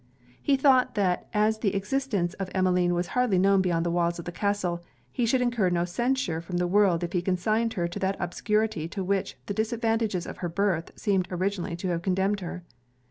He thought, that as the existence of Emmeline was hardly known beyond the walls of the castle, he should incur no censure from the world if he consigned her to that obscurity to which the disadvantages of her birth seemed originally to have condemned her.